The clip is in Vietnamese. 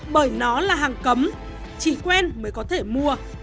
bởi nó là hàng cấm chỉ quen mới có thể mua